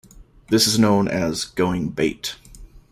This is known as "going bait".